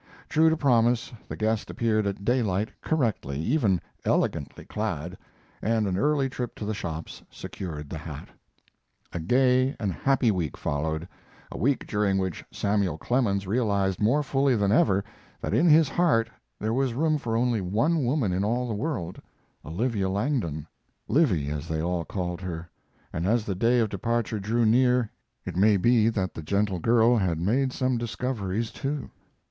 True to promise, the guest appeared at daylight correctly, even elegantly clad, and an early trip to the shops secured the hat. A gay and happy week followed a week during which Samuel Clemens realized more fully than ever that in his heart there was room for only one woman in all the world: Olivia Langdon "Livy," as they all called her and as the day of departure drew near it may be that the gentle girl had made some discoveries, too.